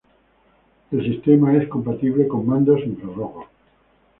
El sistema es compatible con mandos infrarrojos.